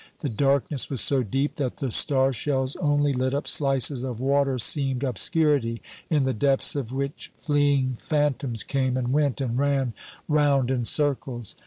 The darkness was so deep that the star shells only lit up slices of water seamed obscurity, in the depths of which fleeing phantoms came and went and ran round in circles.